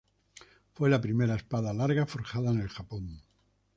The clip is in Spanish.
Fue la primera espada larga forjada en el Japón.